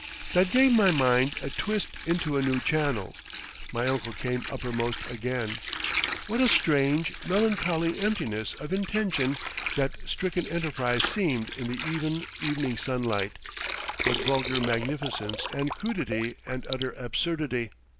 That gave my mind a twist into a new channel. My uncle came uppermost again. What a strange, melancholy emptiness of intention that stricken enterprise seemed in the even evening sunlight, what vulgar magnificence and crudity and utter absurdity!